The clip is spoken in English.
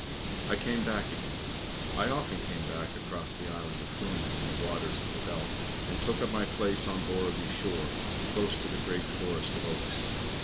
" I came back again; I often came back across the island of Funen and the waters of the Belt and took up my place on Borreby shore close to the great forest of oaks.